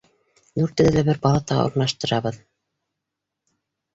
Дүртегеҙҙе лә бер палатаға урынлаштырабыҙ.